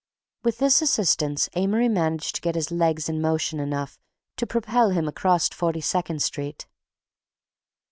With this assistance Amory managed to get his legs in motion enough to propel him across Forty second Street.